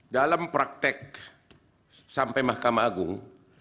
dalam praktek sampai mahkamah agung